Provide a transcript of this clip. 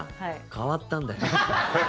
変わったんだよ。